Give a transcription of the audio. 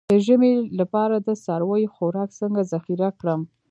د ژمي لپاره د څارویو خوراک څنګه ذخیره کړم؟